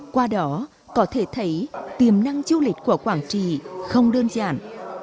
qua đó có thể thấy tiềm năng du lịch của quảng trì không đơn giản